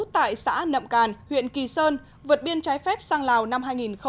tại xã nậm càn huyện kỳ sơn vượt biên trái phép sang lào năm hai nghìn một mươi bảy